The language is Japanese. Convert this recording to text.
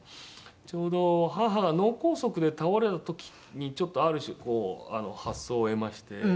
ちょうど母が脳梗塞で倒れた時にちょっとある種こう発想を得まして。